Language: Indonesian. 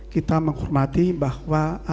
kita menghormati bahwa urusan keamanan memang